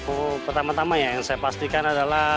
oh pertama tama ya yang saya pastikan adalah